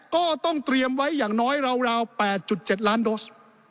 ก็ต้องเตรียมไว้อย่างน้อยราว๘๗ล้านโดส